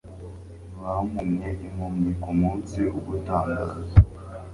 Bampumye impumyi kumunsi ugutangaza